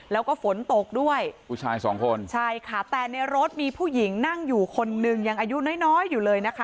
แล้วก็ฝนตกด้วยผู้ชายสองคนใช่ค่ะแต่ในรถมีผู้หญิงนั่งอยู่คนนึงยังอายุน้อยน้อยอยู่เลยนะคะ